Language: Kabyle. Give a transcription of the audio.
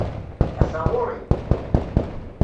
Ata ɣur-i!